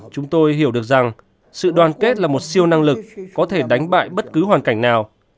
chúng tôi hiểu được rằng sự đoàn kết là một siêu năng lực có thể đánh bại bất cứ hoàn cảnh nào